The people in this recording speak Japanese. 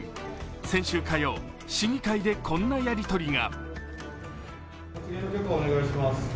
先週火曜、市議会でこんなやりとりが。